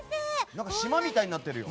島みたいになってるよ。